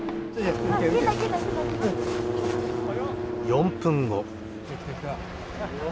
４分後。